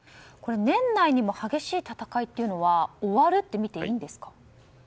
年内にも激しい戦いというのは終わるとみていいんですか？